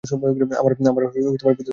আমার বিদ্যুৎপাত ক্ষমা করো।